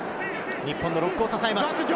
日本のロックを支えます。